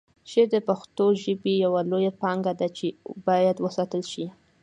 شعر د پښتو ژبې یوه لویه پانګه ده چې باید وساتل شي.